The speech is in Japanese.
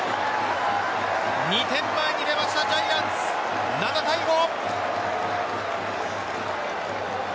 ２点、前に出ましたジャイアンツ、７対５。